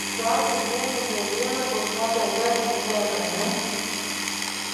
Tas ir vienīgais iemesls, kāpēc esmu te, vai ne?